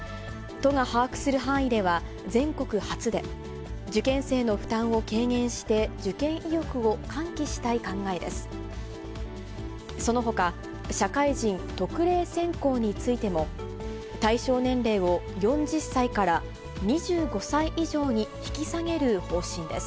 都が把握する範囲では、全国初で、受験生の負担を軽減して受験意欲を喚起したい考えです。